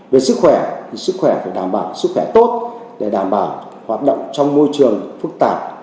về sức khỏe thì sức khỏe phải đảm bảo sức khỏe tốt để đảm bảo hoạt động trong môi trường phức tạp